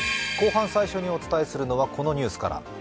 後半、最初にお伝えするのは、このニュースから。